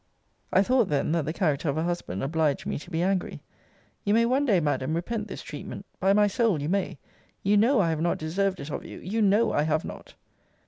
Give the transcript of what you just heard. I thought then, that the character of a husband obliged me to be angry. You may one day, Madam, repent this treatment: by my soul, you may. You know I have not deserved it of you you know I have not.